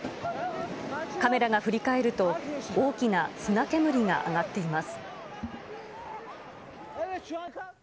カメラが振り返ると、大きな砂煙が上がっています。